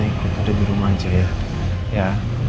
mama gak usah ikut udah di rumah aja ya